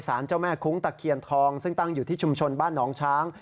เจ้าแม่คุ้งตะเคียนทองซึ่งตั้งอยู่ที่ชุมชนบ้านหนองช้าง